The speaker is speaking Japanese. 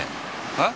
えっ？